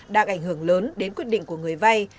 đang ảnh hưởng lớn đến quyết định của người vay